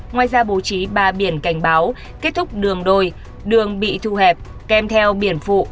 ngoài ra bố trí ba biển cảnh báo kết thúc đường đôi đường bị thu hẹp kèm theo biển phụ